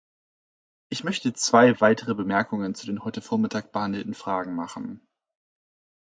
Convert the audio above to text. Ich möchte zwei weitere Bemerkungen zu den heute Vormittag behandelten Fragen machen.